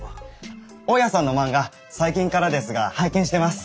大家さんの漫画最近からですが拝見してます。